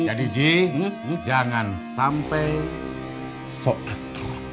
jadi ji jangan sampai so a truth